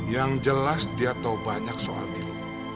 yang jelas dia tahu banyak soal biru